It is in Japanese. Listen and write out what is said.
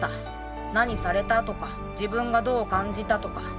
何されたとか自分がどう感じたとか。